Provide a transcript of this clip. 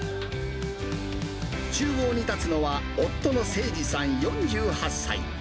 ちゅう房に立つのは、夫の清二さん４８歳。